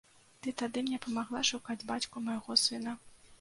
Ты тады мне памагала шукаць бацьку майго сына.